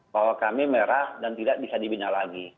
bahwa kami merah dan tidak bisa dibina lagi